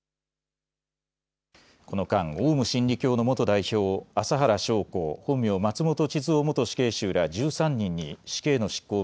この間、オウム真理教の元代表、麻原彰晃、本名・松本智津夫元死刑囚ら１３人に死刑の執行を